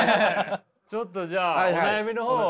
ちょっとじゃあお悩みの方を。